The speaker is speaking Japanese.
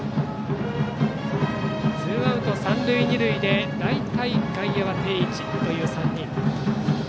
ツーアウト、三塁二塁で大体、外野は定位置という３人。